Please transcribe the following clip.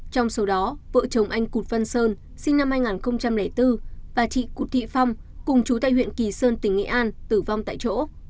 trong số đó vợ chồng anh cụt văn sơn sinh năm hai nghìn bốn và chị cụt thị phong cùng chú tại huyện kỳ sơn tỉnh nghệ an tử vong tại chỗ